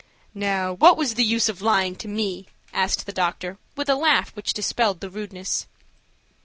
"Now, what was the use of lying to me?" asked the doctor, with a laugh which dispelled the rudeness.